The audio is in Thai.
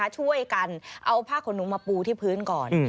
ช่วยกันเอาผ้าขนหนูมาปูที่พื้นก่อน